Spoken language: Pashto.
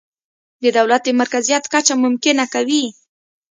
د دولت د مرکزیت کچه ممکنه کوي.